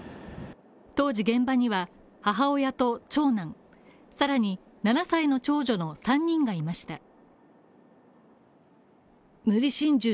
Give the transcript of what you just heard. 当時現場には母親と長男、さらに７歳の長女の３人がいました。